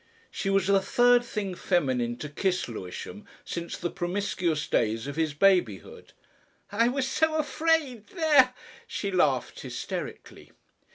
She was the third thing feminine to kiss Lewisham since the promiscuous days of his babyhood. "I was so afraid There!" She laughed hysterically.